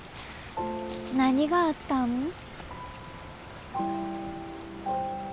何があったん？